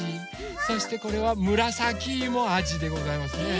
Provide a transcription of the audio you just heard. そしてこれはむらさきいもあじでございますね。